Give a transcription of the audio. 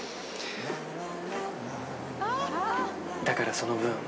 だからその分。